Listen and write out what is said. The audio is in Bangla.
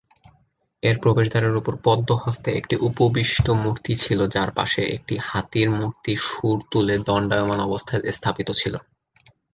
এর প্রবেশদ্বারের উপর পদ্ম হস্তে একটি উপবিষ্ট মূর্তি ছিল যার পাশে একটি হাতির মূর্তি শুঁড় তুলে দণ্ডায়মান অবস্থায় স্থাপিত ছিল।